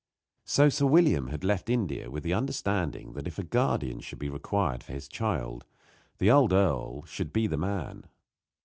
So Sir William had left India with the understanding that if a guardian should be required for his child the old earl should be the man.